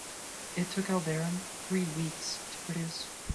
It took Elverum three weeks to produce.